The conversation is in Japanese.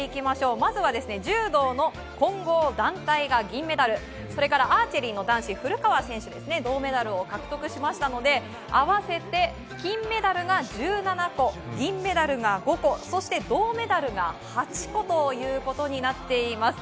まずは柔道の混合団体が銀メダルそれからアーチェリーの男子古川選手が銅メダルを獲得しましたので合わせて金メダルが１７個銀メダルが５個そして銅メダルが８個ということになっています。